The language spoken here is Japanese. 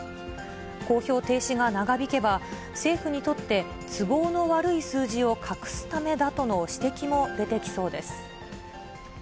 公表停止が長引けば、政府にとって、都合の悪い数字を隠すためだとの指摘も出てきそうです。